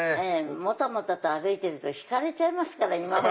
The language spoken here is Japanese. もたもたと歩いてるとひかれちゃいますから今は。